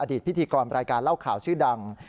พิธีกรรายการเล่าข่าวชื่อดัง